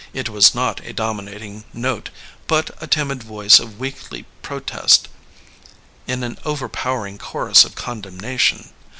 It was not a dominating note, but a timid voice of weakly protest in an overpowering chorus of condemnation.